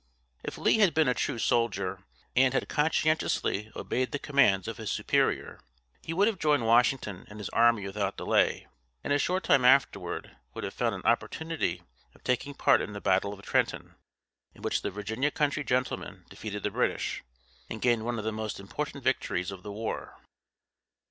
If Lee had been a true soldier, and had conscientiously obeyed the commands of his superior, he would have joined Washington and his army without delay and a short time afterward would have had an opportunity of taking part in the battle of Trenton, in which the Virginia country gentleman defeated the British, and gained one of the most important victories of the war.